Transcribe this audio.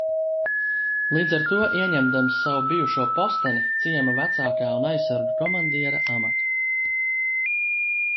Līdz ar to ieņemdams savu bijušo posteni, ciema vecākā un aizsargu komandiera amatu.